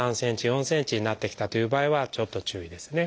３ｃｍ４ｃｍになってきたという場合はちょっと注意ですね。